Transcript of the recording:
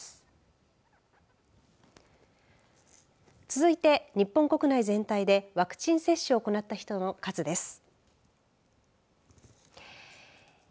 続いて、日本国内全体でワクチン接種を行った人の数です。